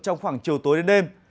trong khoảng chiều tối đến đêm